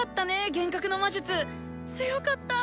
幻覚の魔術強かったぁ。